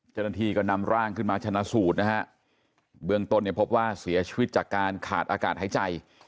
เจ้าหน้าที่ก็นำร่างขึ้นมาชนะสูตรนะฮะเบื้องต้นเนี่ยพบว่าเสียชีวิตจากการขาดอากาศหายใจ